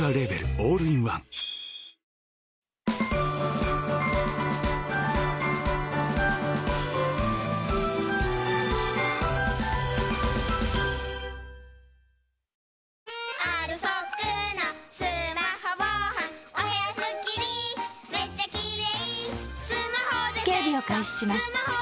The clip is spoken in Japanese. オールインワンあれ？